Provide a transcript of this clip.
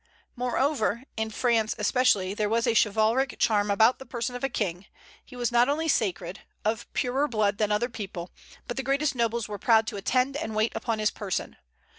Moreover, in France especially, there was a chivalric charm about the person of a king; he was not only sacred, of purer blood than other people, but the greatest nobles were proud to attend and wait upon his person.